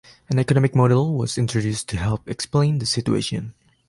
An economic model was introduced to help explain the situation.